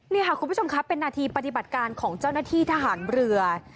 นี่ค่ะคุณผู้ชมครับเป็นนาทีปฏิบัติการของเจ้าหน้าที่ทหารเรือ